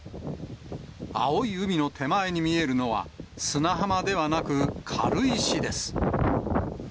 青い海の手前に見えるのは、砂浜ではなく、軽石です。